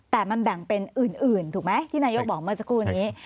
แต่มันแบ่งเป็นอื่นถูกไหมที่นายกบอกเมื่อสักครู่นี้